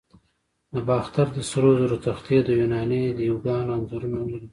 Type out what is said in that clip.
د باختر د سرو زرو تختې د یوناني دیوگانو انځورونه لري